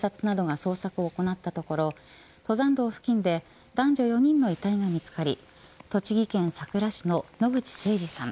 警察などが捜索を行ったところ登山道付近で男女４人の遺体が見つかり栃木県さくら市の野口誠二さん